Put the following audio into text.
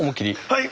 はい。